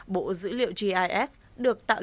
bộ dữ liệu gis được truyền thông